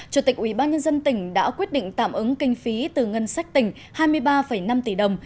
chủ tịch ubnd tỉnh đã quyết định tạm ứng kinh phí từ ngân sách tỉnh hai mươi ba năm tỷ đồng